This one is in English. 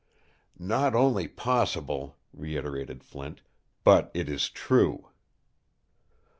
"Not only possible," reiterated Flint, "but it is true."